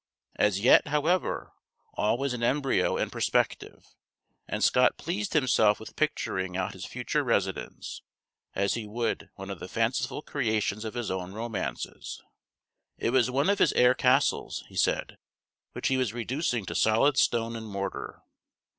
As yet, however, all was in embryo and perspective, and Scott pleased himself with picturing out his future residence, as he would one of the fanciful creations of his own romances. "It was one of his air castles," he said, "which he was reducing to solid stone and mortar."